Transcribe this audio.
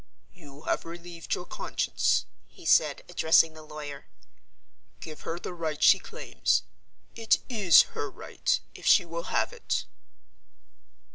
"You have relieved your conscience," he said, addressing the lawyer. "Give her the right she claims. It is her right—if she will have it."